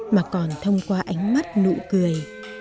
mà còn thông qua ánh mắt nụ cười